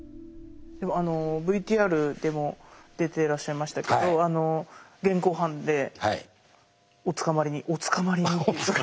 あのＶＴＲでも出てらっしゃいましたけど現行犯でお捕まりにお捕まりにっていう。